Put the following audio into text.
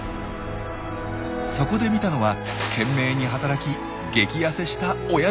そこで見たのは懸命に働き激ヤセした親鳥の姿。